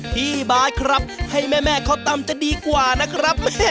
พี่บาทครับให้แม่เขาตำจะดีกว่านะครับ